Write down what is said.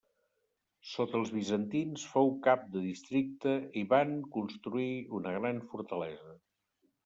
Sota els bizantins fou cap de districte i van construir una gran fortalesa.